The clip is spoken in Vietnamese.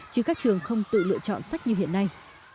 chứ các trường không tự lựa chọn sách như hiện nay